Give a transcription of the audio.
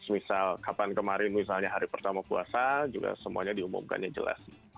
misal kapan kemarin misalnya hari pertama puasa juga semuanya diumumkannya jelas